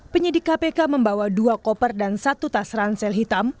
penyidik kpk membawa dua koper dan satu tas ransel hitam